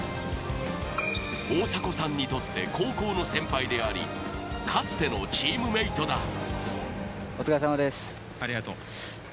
大迫さんにとって高校の先輩でありかつてのチームメイトだ。